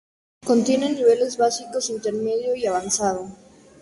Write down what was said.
Contiene niveles básico, intermedio y avanzado.